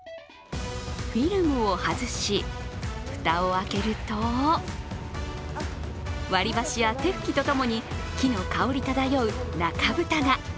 フィルムを外し、蓋を開けると割り箸や手拭きとともに木の香り漂う中蓋が。